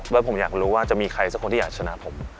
แล้วผมอยากรู้ว่าจะมีใครสักคนที่อยากชนะผม